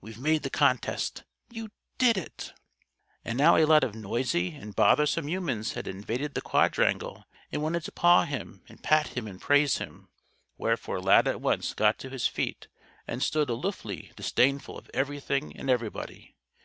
We've made the contest. You did it!" And now a lot of noisy and bothersome humans had invaded the quadrangle and wanted to paw him and pat him and praise him. Wherefore Lad at once got to his feet and stood aloofly disdainful of everything and everybody.